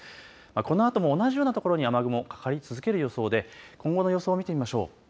このあとも同じような所に雨雲かかり続ける予想で今後の予想を見てみましょう。